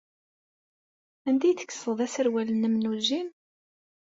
Anda ay tekkseḍ aserwal-nnem n ujin?